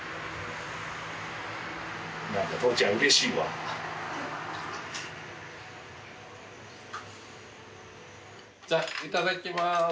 いただきます。